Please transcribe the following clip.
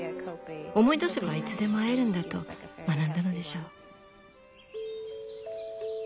思い出せばいつでも会えるんだと学んだのでしょう。